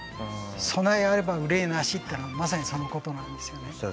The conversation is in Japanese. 「備えあれば憂いなし」っていうのはまさにそのことなんですよね。